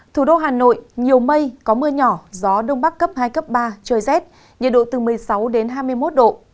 thủ đô hà nội nhiều mây có mưa nhỏ gió đông bắc cấp hai cấp ba trời rét nhiệt độ từ một mươi sáu đến hai mươi một độ